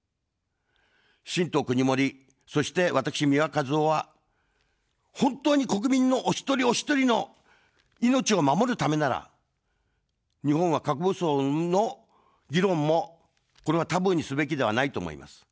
新党くにもり、そして私、三輪和雄は、本当に国民のお一人お一人の命を守るためなら、日本は核武装の議論も、これはタブーにすべきではないと思います。